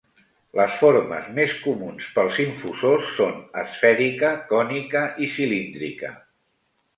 Les formes més comuns pels infusors són esfèrica, cònica i cilíndrica.